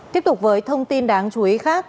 tiếp tục với thông tin đáng chú ý